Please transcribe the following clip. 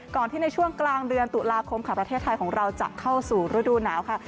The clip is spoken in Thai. ที่ในช่วงกลางเดือนตุลาคมค่ะประเทศไทยของเราจะเข้าสู่ฤดูหนาวค่ะ